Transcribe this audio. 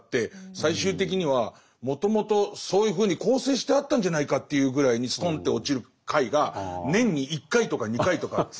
最終的にはもともとそういうふうに構成してあったんじゃないかというぐらいにストンと落ちる回が年に１回とか２回とかあって。